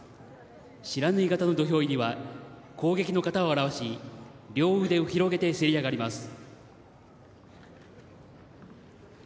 不知火型の土俵入りは攻撃の型を表し両腕を広げてせり上がります。